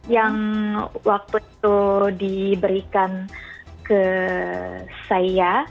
yang waktu itu diberikan ke saya